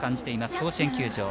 甲子園球場。